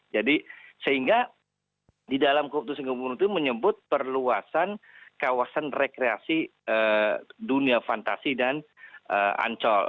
jadi sehingga di dalam keputusan gubernur itu menyebut perluasan kawasan rekreasi dunia fantasi dan ancol